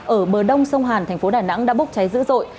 ở bờ đông sông hàn thành phố đà nẵng đã bốc cháy dữ dội